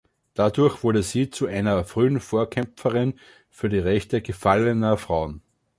Dadurch wurde sie zu einer frühen Vorkämpferin für die Rechte „gefallener“ Frauen.